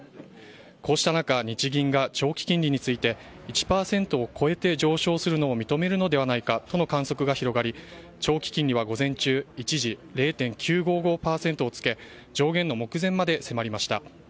こうした中、日銀が長期金利について、１％を超えて上昇するのを認めるのではないかとの観測が広がり、長期金利は午前中、一時０．９５５％をつけ、上限の目前まで迫りました。